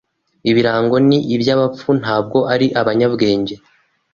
Ibirango ni iby'abapfu, ntabwo ari abanyabwenge